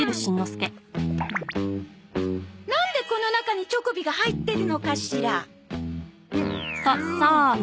なんでこの中にチョコビが入ってるのかしら？